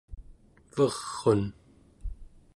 ver'un